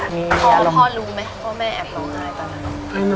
พ่อลุมั๊ยพ่อแม่แอบรวมค่ายป่ะ